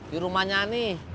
di rumahnya ani